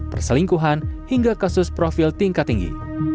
perselingkuhan hingga kasus profil tingkat tinggi